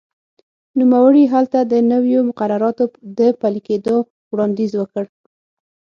نوموړي هلته د نویو مقرراتو د پلي کېدو وړاندیز وکړ.